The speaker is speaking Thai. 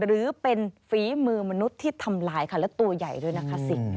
หรือเป็นฝีมือมนุษย์ที่ทำลายค่ะและตัวใหญ่ด้วยนะคะสิ